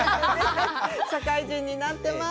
社会人になってます。